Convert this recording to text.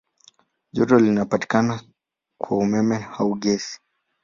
Joto linapatikana kwa umeme au gesi.